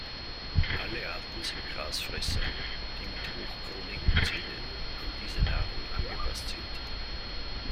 Alle Arten sind Grasfresser, die mit hochkronigen Zähnen an diese Nahrung angepasst sind.